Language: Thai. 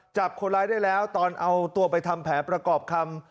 จับคนร้ายได้แล้วตอนเอาตัวไปทำแผนประกอบคำ